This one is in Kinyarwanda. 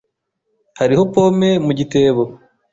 Hariho pome mu gitebo.